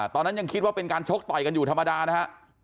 ตอนนั้นยังคิดว่าเป็นการชกต่อยกันอยู่ธรรมดานะฮะ